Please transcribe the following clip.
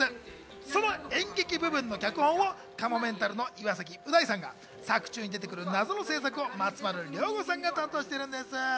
その演劇部分の脚本をかもめんたるの岩崎う大さんが作中に出てくる謎の制作を松丸亮吾さんが担当しています。